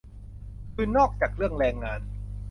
คือนอกจากเรื่องแรงงาน